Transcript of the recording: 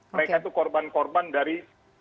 mereka itu korban korban dari